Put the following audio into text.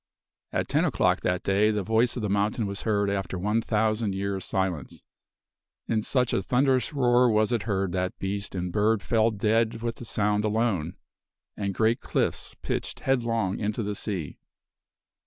At ten o'clock that day the voice of the mountain was heard after one thousand years' silence in such a thunderous roar was it heard that beast and bird fell dead with the sound alone, and great cliffs pitched headlong into the sea!